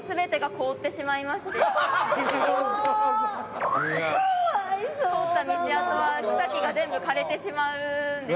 通った道跡は草木が全部枯れてしまうんです。